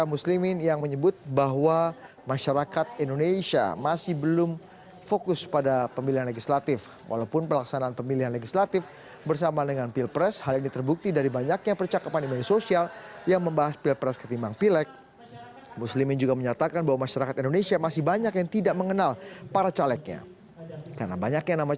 orang yang harus bertanggung jawab dengan data datanya